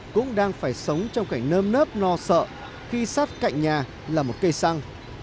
cũng đang phải sống trong cảnh nơm nớp lo sợ khi sát cạnh nhà là một cây xăng